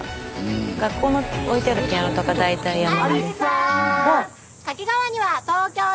学校の置いてあるピアノとか大体ヤマハです。